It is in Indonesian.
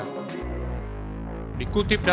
sehingga penanganannya pun sedikit berbeda